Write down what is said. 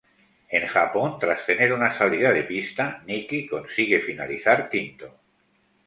En Japón, tras tener una salida de pista, Nicky consigue finalizar quinto.